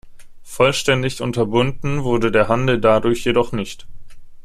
Vollständig unterbunden wurde der Handel dadurch jedoch nicht.